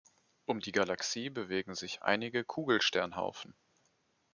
Um die Galaxie bewegen sich einige Kugelsternhaufen.